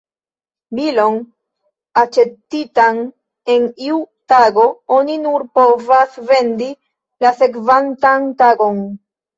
Bilon aĉetitan en iu tago, oni nur povas vendi la sekvantan tagon.